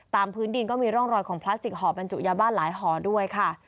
พื้นดินก็มีร่องรอยของพลาสติกห่อบรรจุยาบ้านหลายห่อด้วยค่ะ